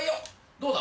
どうだ？